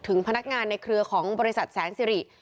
พนักงานในเครือของบริษัทแสนสิริ